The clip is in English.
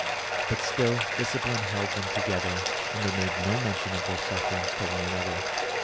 But still discipline held them together, and they made no mention of their sufferings to one another.